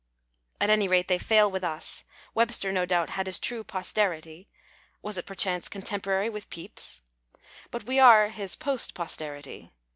At any rate they fail with us. Webster, no doubt, liad his true " posterity '' (was it iX'rchancc contem porary with Pepys ?), but we arc his post posterity.